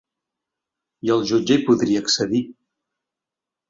I el jutge hi podria accedir.